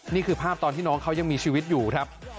นี่คือภาพตอนที่น้องเขายังมีชีวิตอยู่ครับ